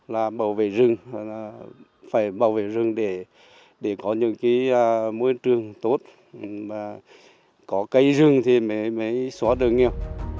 là bảo vệ rừng phải bảo vệ rừng để có những cái môi trường tốt có cây rừng thì mới xóa được nghèo